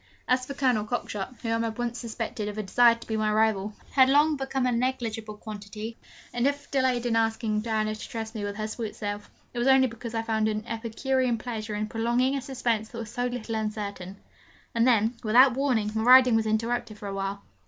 As for Colonel Cockshott, whom I had once suspected of a desire to be my rival, he had long become a 'negligible quantity;' and if I delayed in asking Diana to trust me with her sweet self, it was only because I found an epicurean pleasure in prolonging a suspense that was so little uncertain. And then, without warning, my riding was interrupted for a while.